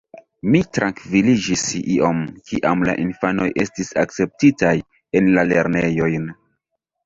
Mi trankviliĝis iom, kiam la infanoj estis akceptitaj en la lernejojn.